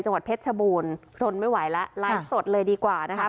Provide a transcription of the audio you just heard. จังหวัดเพชรชะบูนรนไม่ไหวละไล่สดเลยดีกว่านะคะ